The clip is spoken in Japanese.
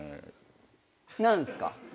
何すか？